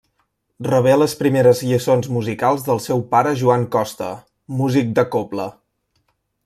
Rebé les primeres lliçons musicals del seu pare Joan Costa, músic de cobla.